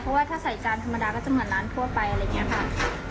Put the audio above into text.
เพราะว่าถ้าใส่จานธรรมดาก็จะเหมือนร้านทั่วไปอะไรอย่างนี้ค่ะ